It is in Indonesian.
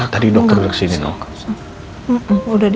tadi dokter disini noh